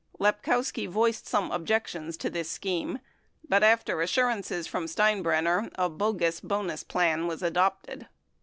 Lepkowski voiced some objections to this scheme but after assurances from Stein brenner a bogus bonus plan was adopted.